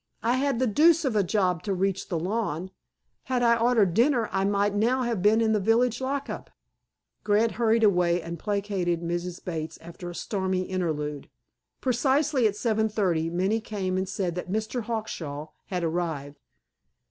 I had the deuce of a job to reach the lawn. Had I ordered dinner I might now have been in the village lockup." Grant hurried away, and placated Mrs. Bates after a stormy interlude. Precisely at 7.30 p. m. Minnie came and said that "Mr. Hawkshaw" had arrived.